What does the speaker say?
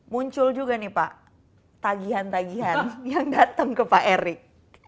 muncul juga nih pak tagihan tagihan yang datang ke pak erik